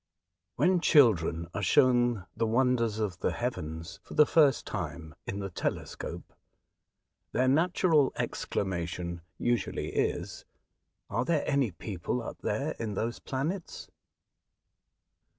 WHEN children are shown the wonders of the heavens, for the first time, in the telescope, their natural exclamation usually is, '' Are there any people up there in those planets